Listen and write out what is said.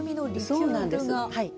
そうなんですはい。